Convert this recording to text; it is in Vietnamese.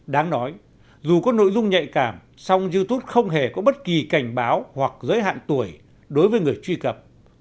đáng nói dù có nội dung nhạy cảm song youtube không hề có bất kỳ cảnh báo hoặc giới hạn tuổi đối với người truy cập